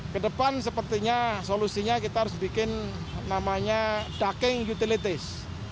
kedepan sepertinya solusinya kita harus bikin namanya ducking utilities